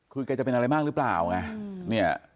คือแกจะเป็นอะไรมากหรือเปล่าไง